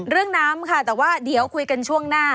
น้ำค่ะแต่ว่าเดี๋ยวคุยกันช่วงหน้า